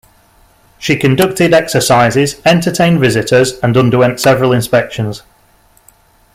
She conducted exercises, entertained visitors, and underwent several inspections.